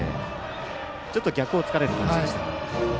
ちょっと逆をつかれる感じでしたが。